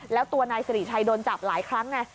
แล้วตัวนายสิริชัยโดนจับหลายครั้งไง